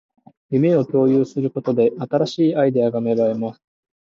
夢を共有することで、新しいアイデアが芽生えます